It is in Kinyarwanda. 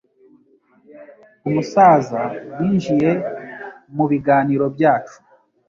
Umusaza yinjiye mubiganiro byacu.